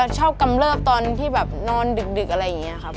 กำเริบตอนที่แบบนอนดึกอะไรอย่างนี้ครับ